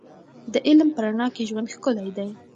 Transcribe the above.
د علم په رڼا کې ژوند ښکلی دی.